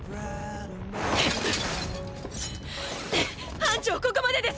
班長ここまでです！